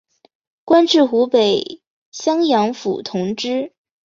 官至湖北襄阳府同知。